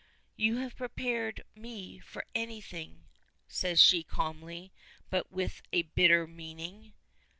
"You have prepared me for anything," says she calmly, but with bitter meaning.